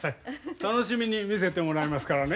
楽しみに見せてもらいますからね。